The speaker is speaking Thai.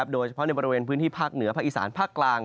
โดยเฉพาะในบริเวณพื้นที่ภาคเหนือภาคอีสานภาคกลาง